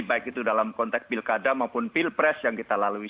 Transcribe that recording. baik itu dalam konteks pilkada maupun pilpres yang kita lalui